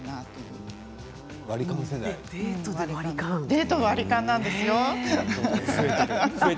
デートで割り勘なんですね。